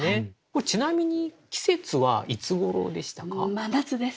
これちなみに季節はいつごろでしたか？